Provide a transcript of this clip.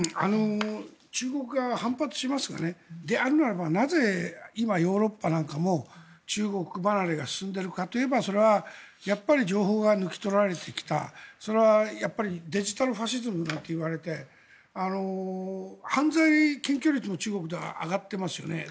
中国側は反発しますよねであるならばなぜヨーロッパが中国離れが進んでいるかといえばそれはやっぱり情報が抜き取られてきたそれはデジタルファシズムなんていわれて犯罪検挙率も中国では上がっていますよね。